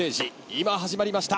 今始まりました。